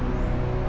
aku akan ke rumah